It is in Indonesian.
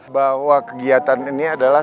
bahwa kegiatan ini adalah